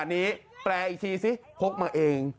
ไอ้โอ้มมึงจะเอากูเปล่า